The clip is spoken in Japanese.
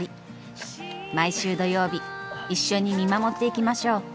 毎週土曜日一緒に見守っていきましょう。